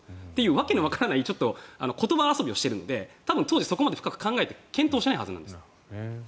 訳のわからない言葉遊びをしているので多分、当時そこまで深く考えて検討していないはずなんです。